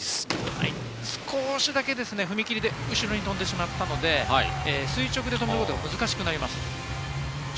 少しだけ踏切で後ろに飛んでしまったので、垂直で飛ぶことが難しくなります。